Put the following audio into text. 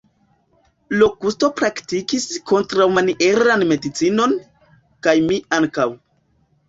Lokusto praktikis kontraŭmanieran medicinon, kaj mi ankaŭ.